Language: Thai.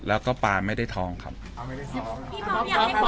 แล้วก็ปลาไม่ได้ทองครับอ้าวไม่ได้ทองพี่ป๊อบอยากให้คนแยกยะ